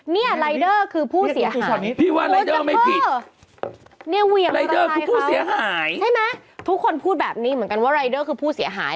เนี่ยรายเดอร์คือผู้เสียหาย